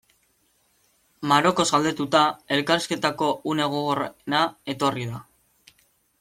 Marokoz galdetuta, elkarrizketako une gogorrena etorri da.